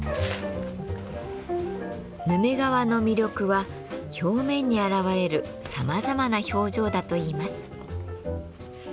ヌメ革の魅力は表面に表れるさまざまな表情だといいます。